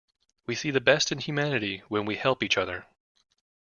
We see the best in humanity when we help each other.